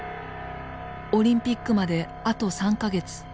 オリンピックまであと３か月。